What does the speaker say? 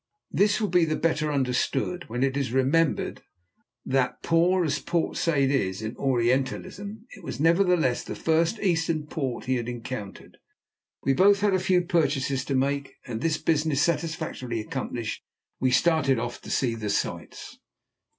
This will be the better understood when it is remembered that, poor though Port Said is in orientalism, it was nevertheless the first Eastern port he had encountered. We had both a few purchases to make, and this business satisfactorily accomplished, we started off to see the sights.